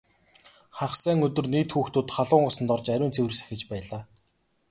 Хагас сайн өдөр нийт хүүхдүүд халуун усанд орж ариун цэвэр сахиж байлаа.